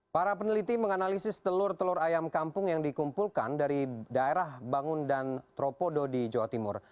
para peneliti menganalisis telur telur ayam kampung yang dikumpulkan dari daerah bangun dan tropodo di jawa timur